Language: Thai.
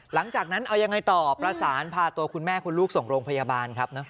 หลังจากนั้นเอายังไงต่อประสานพาตัวคุณแม่คุณลูกส่งโรงพยาบาลครับ